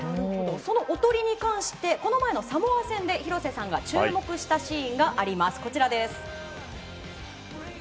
その、おとりに関してこの前のサモア戦で廣瀬さんが注目したシーンがあります。